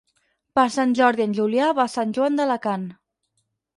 Per Sant Jordi en Julià va a Sant Joan d'Alacant.